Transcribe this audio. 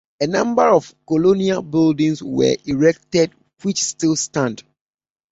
A number of colonial buildings were erected which still stand.